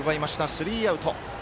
スリーアウト。